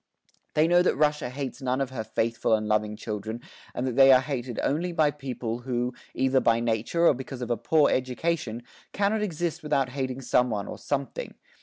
They know that Russia hates none of her faithful and loving children and that they are hated only by people, who, either by nature or because of a poor education, cannot exist without hating some one or something.